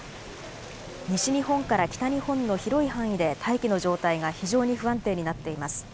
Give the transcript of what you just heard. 西日本から北日本の広い範囲で大気の状態が非常に不安定になっています。